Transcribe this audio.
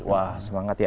wah semangat ya